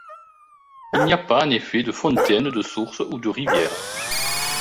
Il n'y pas, en effet, de fontaines, de sources ou de rivières.